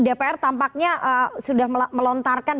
dpr tampaknya sudah melontarkan